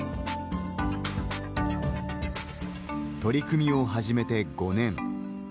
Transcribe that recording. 取り組みを始めて５年。